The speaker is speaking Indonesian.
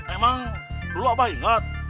emang dulu abah inget